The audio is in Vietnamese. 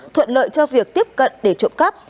thuận lợi cho việc tiếp cận để trộm cắp